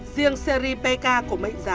riêng seri pk của mệnh giá năm mươi đồng